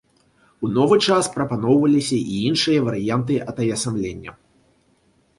У новы час прапаноўваліся і іншыя варыянты атаясамлення.